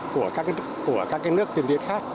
của các nước tiền tiền khác